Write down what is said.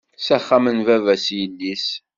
S axxam n baba-s yili.